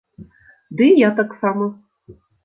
Ды і я таксама!